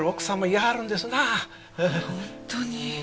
本当に。